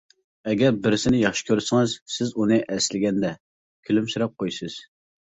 ئەگەر بىرسىنى ياخشى كۆرسىڭىز، سىز ئۇنى ئەسلىگەندە، كۈلۈمسىرەپ قويىسىز.